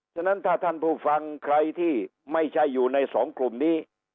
ฉะนั้นถ้าท่านผู้ฟังใครที่ไม่ใช่อยู่ในสองกลุ่มนี้